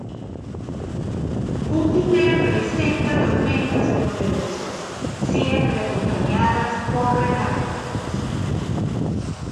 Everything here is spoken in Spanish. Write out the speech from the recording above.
Júpiter presenta tormentas poderosas, siempre acompañadas por relámpagos.